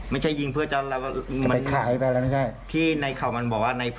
ไม่ใช่ยิงเพื่อจะที่เขามันบอกว่าในพลานมันไม่ใช่ครับ